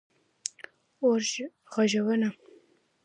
🚒 اور ژغورنه